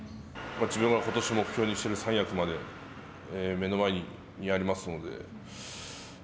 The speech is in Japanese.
自分は、ことし目標にしている三役まで目の前にありますので。